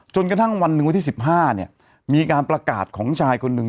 จนกระทั่งวันหนึ่งวันที่๑๕เนี่ยมีการประกาศของชายคนหนึ่ง